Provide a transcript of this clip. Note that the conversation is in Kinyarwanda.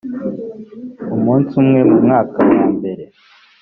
umunsi umwe mu mwaka wa mbere